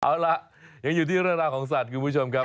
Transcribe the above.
เอาล่ะยังอยู่ที่เรื่องราวของสัตว์คุณผู้ชมครับ